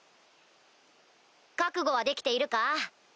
覚悟はできているか？